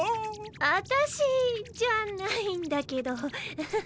私じゃないんだけどハハハ。